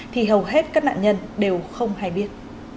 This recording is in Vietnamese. thì hầu hết các nạn nhân đều không hay biết